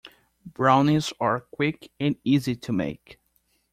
Brownies are quick and easy to make.